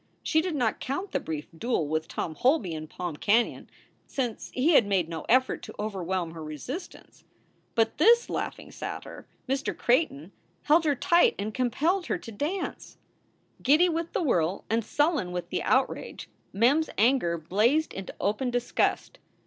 She did not count the brief duel with Tom Holby in Palm Canon, since he had made no effort to overwhelm her resistance. But this laughing satyr, Mr. Creighton, held her tight and compelled her to dance. Giddy with the whirl and sullen with the outrage, Mem s anger blazed into open disgust.